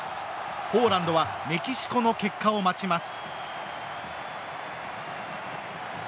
ポーランドはメキシコの結果を待ちます。